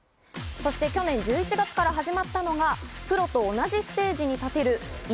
そして去年１１月から始まったのがプロと同じステージに立てる一